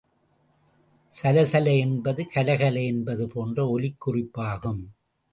சல சல என்பது கல கல என்பது போன்ற ஒலிக் குறிப்பாகும்.